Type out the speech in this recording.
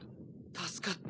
助かった。